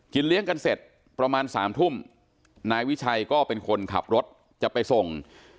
เลี้ยงกันเสร็จประมาณ๓ทุ่มนายวิชัยก็เป็นคนขับรถจะไปส่ง